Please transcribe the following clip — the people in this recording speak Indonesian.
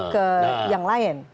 ke yang lain